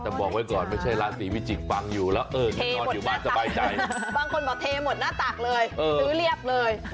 บางคนขอเทหมดหน้าตากก็เลยถือเลียบเลย